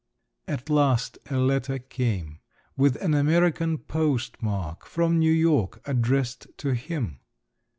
At last a letter came, with an American postmark, from New York, addressed to him.